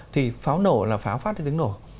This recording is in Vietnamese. thì pháo nổ là pháo phát ra tiếng nổ